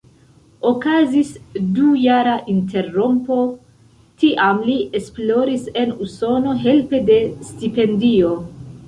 Okazis dujara interrompo, tiam li esploris en Usono helpe de stipendio.